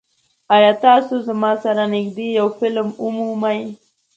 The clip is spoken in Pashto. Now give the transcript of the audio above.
ایا تاسو زما سره نږدې یو فلم ومومئ؟